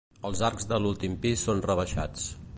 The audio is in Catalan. Els arcs de l'últim pis són rebaixats.